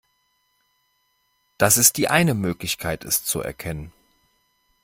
Das ist die eine Möglichkeit, es zu erkennen.